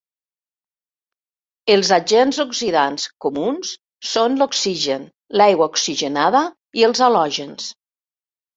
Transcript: Els agents oxidants comuns són l'oxigen, l'aigua oxigenada i els halògens.